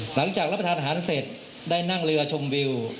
หลังจากรับประทานอาหารเสร็จได้นั่งเรือชมวิว